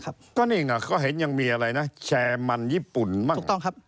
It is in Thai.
ก็นี่กว่าเขาคงเห็นยังไม่อะไรนะแชรมันญี่ปุ่นบ้าง